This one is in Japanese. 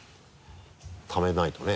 ためないとね